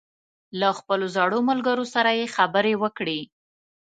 له خپلو زړو ملګرو سره یې خبرې وکړې.